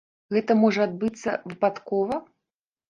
Гэта можа адбыцца выпадкова?